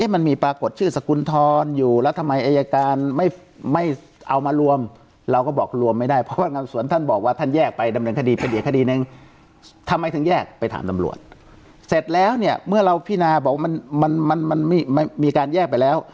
พี่นายบอกว่ามันมีการแยกไปแล้ว